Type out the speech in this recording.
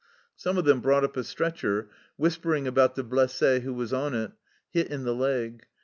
Some of them brought up a stretcher, whispering about the blesse who was on it, hit in the leg.